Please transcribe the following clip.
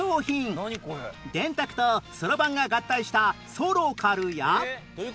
電卓とそろばんが合体したソロカルや